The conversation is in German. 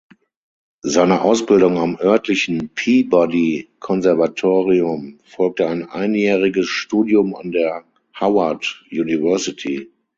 Seiner Ausbildung am örtlichen "Peabody-Konservatorium" folgte ein einjähriges Studium an der Howard University.